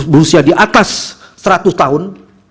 berusia di atas seratus tahun